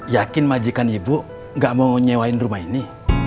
yakin majikan ibu gak mau nyewain rumah ini